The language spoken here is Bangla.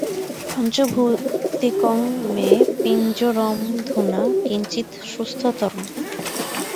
পাঞ্চভৌতিকং মে পিঞ্জরমধুনা কিঞ্চিৎ সুস্থতরম্।